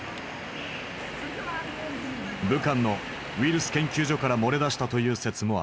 武漢のウイルス研究所から漏れ出したという説もある。